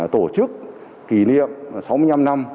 tổ chức kỷ niệm sáu mươi năm năm